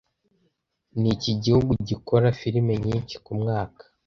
Niki gihugu gikora firime nyinshi kumwaka